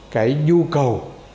cái nhu cầu